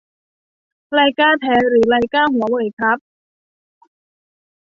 ไลก้าแท้หรือไลก้าหัวเว่ยครับ